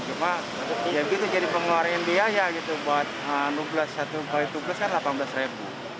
cuma yang gitu jadi pengeluaran biaya gitu buat tubles satu x tubles kan rp delapan belas